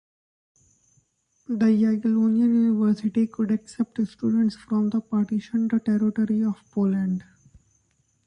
The Jagiellonian University could accept students from the partitioned territory of Poland.